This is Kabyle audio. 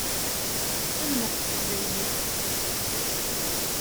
Ttamneɣ s teqbaylit.